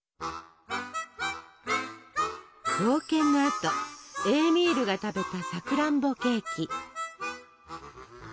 冒険のあとエーミールが食べたさくらんぼケーキ。